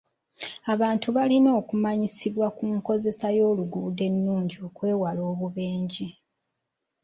Abantu balina okumanyisibwa ku nkozesa y'oluguudo ennungi okwewala obubenje.